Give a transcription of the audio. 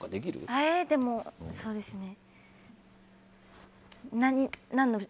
でもそうですね。